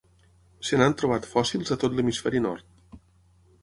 Se n'han trobat fòssils a tot l'hemisferi nord.